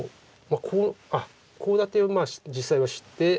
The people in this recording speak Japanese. コウ立てを実際はして。